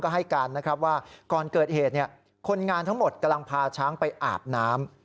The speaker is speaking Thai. ให้การนะครับว่าก่อนเกิดเหตุคนงานทั้งหมดกำลังพาช้างไปอาบน้ำ